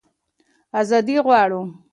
ازادي غواړو.